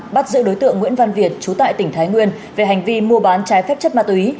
bắt giữ đối tượng nguyễn văn việt chú tại tỉnh thái nguyên về hành vi mua bán trái phép chất ma túy